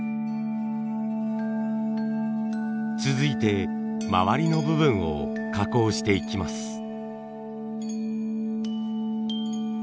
続いて周りの部分を加工していきます。